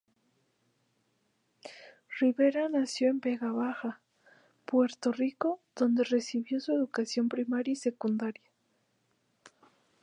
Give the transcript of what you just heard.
Rivera nació en Vega Baja, Puerto Rico, donde recibió su educación primaria y secundaria.